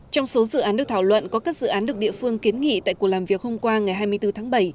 trong số dự án được thảo luận có các dự án được địa phương kiến nghị tại cuộc làm việc hôm qua ngày hai mươi bốn tháng bảy